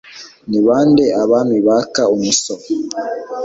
ni ba nde abami baka umusoro